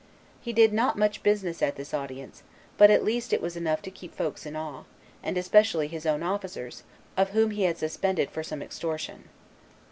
He did not much business at this audience; but at least it was enough to keep folks in awe, and especially his own officers, of whom he had suspended some for extortion."